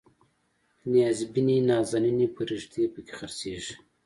نیازبینې نازنینې فرښتې پکې خرڅیږي